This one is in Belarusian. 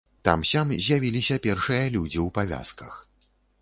Там-сям з'явіліся першыя людзі ў павязках.